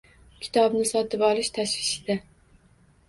Kitobni sotib olish tashvishida.